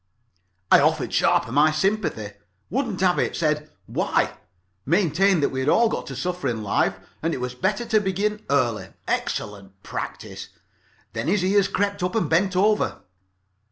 "I offered Sharper my sympathy. Wouldn't have it. Said 'Why?' Maintained that we had all got to suffer in this life, and it was better to begin early. Excellent practice. Then his ears crept up and bent over.